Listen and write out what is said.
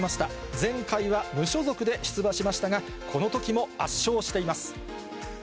前回は無所属で出馬しましたが、このときも圧勝しています。